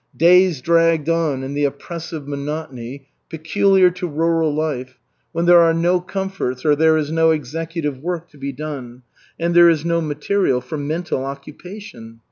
Days dragged on in the oppressive monotony peculiar to rural life when there are no comforts or there is no executive work to be done, and there is no material for mental occupation.